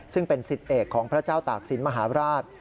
ซึ่งเป็นสิทธิเอกของพระเจ้าตากศิลป์มหาราช